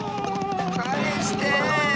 かえして！